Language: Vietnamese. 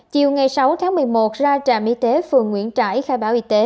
chiều ngày sáu tháng một mươi một ra trạm y tế phường nguyễn trãi khai báo y tế